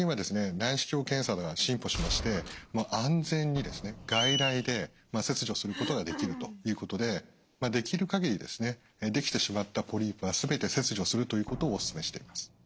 内視鏡検査では進歩しまして安全に外来で切除することができるということでできる限りできてしまったポリープは全て切除するということをおすすめしています。